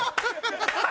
ハハハハ！